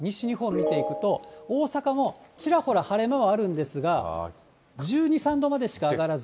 見ていくと、大阪もちらほら晴れ間はあるんですが、１２、３度までしか上がらず。